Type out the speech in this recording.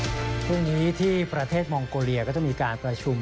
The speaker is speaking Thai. ทุกทุกวันนี้ที่ประเทศมองกโลเมียก็จะมีการประชุม